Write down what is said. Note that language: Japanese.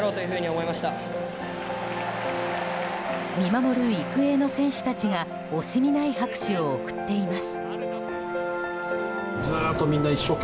見守る育英の選手たちが惜しみない拍手を送っています。